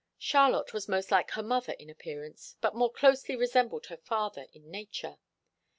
Charlotte was most like her mother in appearance, but more closely resembled her father in nature.